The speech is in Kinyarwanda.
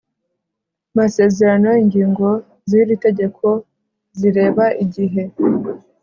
masezerano ingingo z iri tegeko zireba igihe